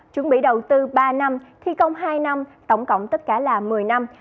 chuẩn bị đầu tư ba năm thi công hai năm tổng cộng tất cả là một mươi năm